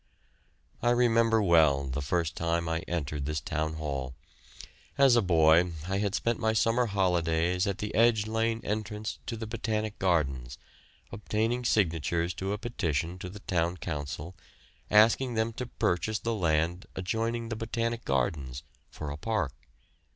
I remember well the first time I entered this Town Hall. As a boy I had spent my summer holidays at the Edge Lane entrance to the Botanic Gardens, obtaining signatures to a petition to the Town Council asking them to purchase the land adjoining the Botanic gardens for a park.